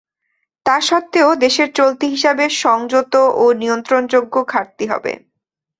তা সত্ত্বেও দেশের চলতি হিসাবে সংযত ও নিয়ন্ত্রণযোগ্য ঘাটতি হবে।